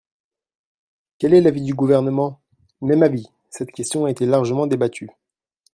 Quel est l’avis du Gouvernement ? Même avis, cette question a été largement débattue.